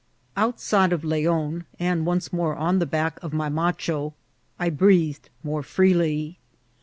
Outside of Leon, and once more on the back of my macho, I breathed more freely.